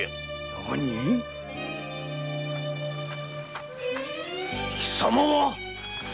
何⁉貴様は！